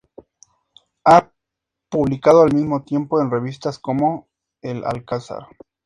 Ha publicado al mismo tiempo en revistas como "El Alcázar".